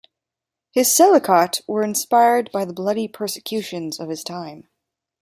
His "selichot" were inspired by the bloody persecutions of his time.